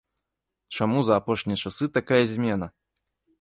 Чаму за апошнія часы такая змена?